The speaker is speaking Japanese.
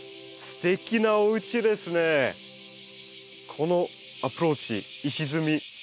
このアプローチ石積み